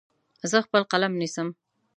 زه خپل قلم نیسم.